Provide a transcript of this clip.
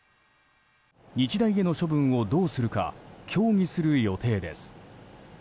日大への処分をどうするか協議する予定です。